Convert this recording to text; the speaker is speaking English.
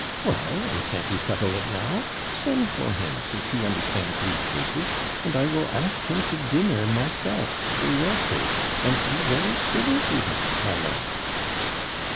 'Well, and can't he settle it now? Send for him, since he understands these cases; and I will ask him to dinner myself, for your sake, and be very civil to him, my lord.'